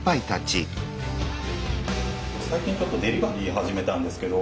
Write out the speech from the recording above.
最近ちょっとデリバリー始めたんですけど。